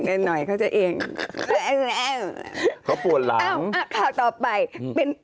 ปกติเขาจะเองหน่อยเขาจะเอง